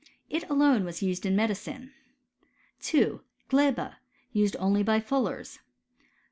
It alone was used in medicine. 2. Gleba — used only by fullers.